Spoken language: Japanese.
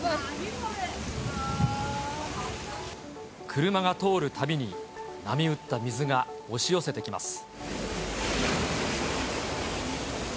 車が通るたびに、波打った水が押し寄せてきます。